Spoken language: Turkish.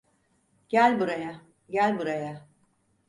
Gel buraya, gel buraya.